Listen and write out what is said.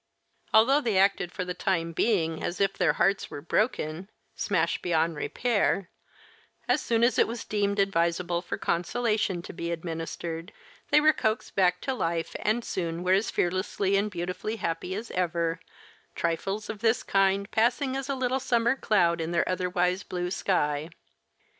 Although they acted for the time being as if their hearts were broken, smashed beyond repair, as soon as it was deemed advisable for consolation to be administered, they were coaxed back to life and soon were as fearlessly and beautifully happy as ever, trifles of this kind passing as a little summer cloud in their otherwise blue sky.